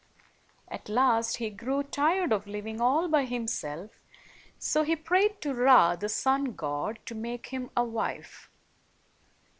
At last, he grew tired of living all by himself, so he prayed to Ra, the sun god, to make him a wife.